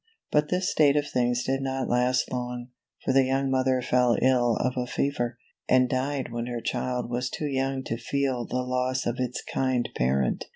But this state of things did not last long, for the young mother fell ill of a fever, and died when her child was too young to feel the loss of its kind parent.